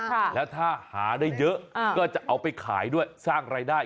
แล้วถ้าหาได้เยอะก็จะเอาไปขายด้วยสร้างรายได้